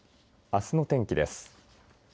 あすの天気です。